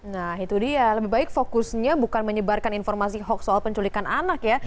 nah itu dia lebih baik fokusnya bukan menyebarkan informasi hoax soal penculikan anak ya